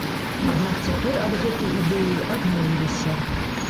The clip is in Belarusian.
Аднак цяпер ад гэтай ідэі адмовіліся.